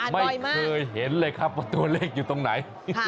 อ่านบ่อยมากไม่เคยเห็นเลยครับว่าตัวเลขอยู่ตรงไหน